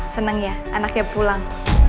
seneng ya anaknya pulang